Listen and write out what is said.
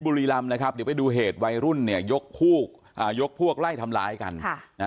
บุรีรำนะครับเดี๋ยวไปดูเหตุวัยรุ่นเนี่ยยกพวกไล่ทำร้ายกัน